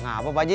nggak apa pak ji